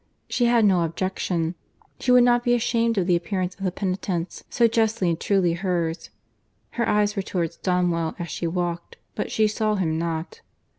She had no objection. She would not be ashamed of the appearance of the penitence, so justly and truly hers. Her eyes were towards Donwell as she walked, but she saw him not.